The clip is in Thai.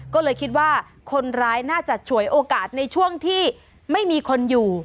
ก็เลยคิดว่าคนร้ายน่าจะฉวยโอกาสในช่วงที่ไม่มีคนอยู่